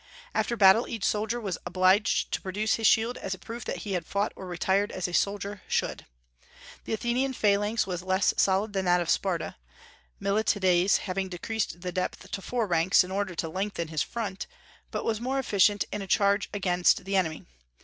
After battle, each soldier was obliged to produce his shield as a proof that he had fought or retired as a soldier should. The Athenian phalanx was less solid than that of Sparta, Miltiades having decreased the depth to four ranks, in order to lengthen his front, but was more efficient in a charge against the enemy.